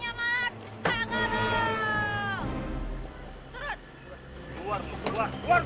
keluar keluar keluar